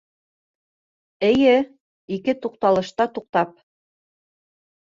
Эйе, ике туҡталышта туҡтап